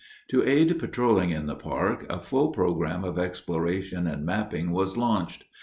To aid patrolling in the park, a full program of exploration and mapping was launched.